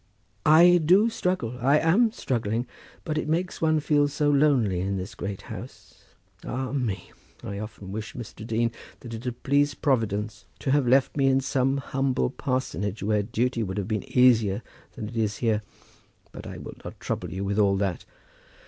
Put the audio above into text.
"I do struggle. I am struggling. But it makes one feel so lonely in this great house. Ah, me! I often wish, Mr. Dean, that it had pleased Providence to have left me in some humble parsonage, where duty would have been easier than it is here. But I will not trouble you with all that.